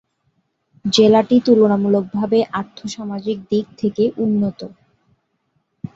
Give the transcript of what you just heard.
জেলাটি তুলনামূলকভাবে আর্থসামাজিক দিক থেকে উন্নত।